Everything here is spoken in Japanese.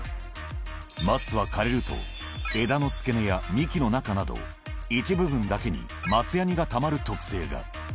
松は枯れると、枝の付け根や幹の中など、一部分だけに松やにがたまる特性が。